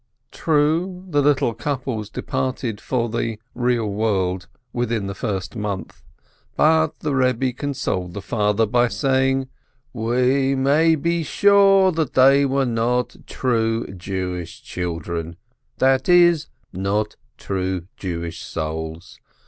True, the little couples departed for the "real world" within the first month, but the Rebbe consoled the father by saying : "We may be sure they were not true Jewish children, that is, not true Jewish souls.